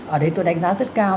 ở đấy tôi đánh giá rất cao